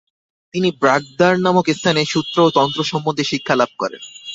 তিনি ব্রাগ-দ্বার নামক স্থানে সূত্র ও তন্ত্র সম্বন্ধে শিক্ষালাভ করেন।